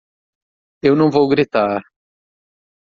Eu não vou gritar!